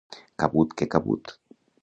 Cabut que cabut.